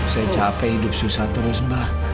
ke capek hidup susah terus mbah